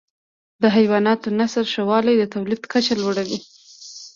د حیواناتو نسل ښه والی د تولید کچه لوړه وي.